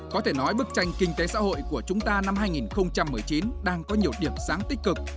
có thể nói bức tranh kinh tế xã hội của chúng ta năm hai nghìn một mươi chín đang có nhiều điểm sáng tích cực